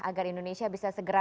agar indonesia bisa segera